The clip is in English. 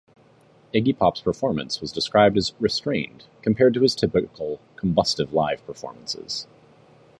Iggy Pop's performance was described as "restrained" compared to his typical "combustive live" performances.